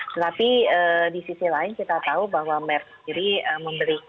tapi di sisi lain kita tahu bahwa merktip memberikan license ya kepada beberapa perusahaan